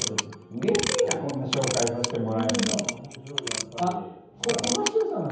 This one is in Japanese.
うれしいなこんなに紹介させてもらえるの。